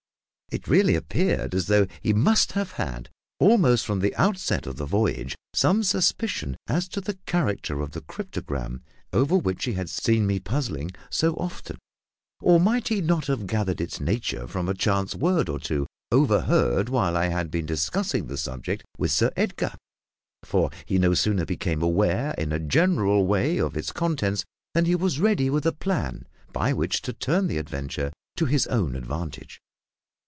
It really appeared as though he must have had, almost from the outset of the voyage, some suspicion as to the character of the cryptogram over which he had seen me puzzling so often or might he not have gathered its nature from a chance word or two overheard while I had been discussing the subject with Sir Edgar? for he no sooner became aware in a general way of its contents than he was ready with a plan by which to turn the adventure to his own advantage.